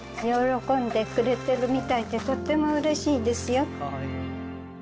喜んでくれてるみたいでとってもうれしいですよ。